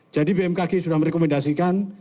jadi bmkg sudah merekomendasikan